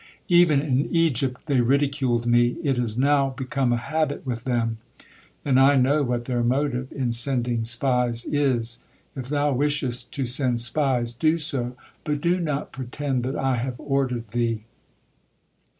Even in Egypt they ridiculed Me, it is now become a habit with them, and I know what their motive in sending spies is. If thou wishest to send spies do so, but do not pretend that I have ordered thee."